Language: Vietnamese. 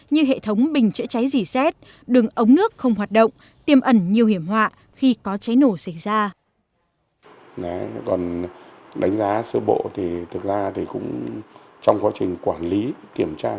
như hệ thống bình chữa cháy dỉ xét đường ống nước không hoạt động tiêm ẩn nhiều hiểm họa khi có cháy nổ xảy ra